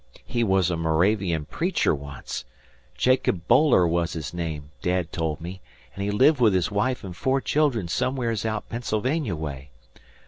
He was a Moravian preacher once. Jacob Boiler wuz his name, Dad told me, an' he lived with his wife an' four children somewheres out Pennsylvania way.